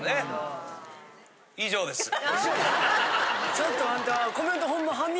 ちょっとあんた。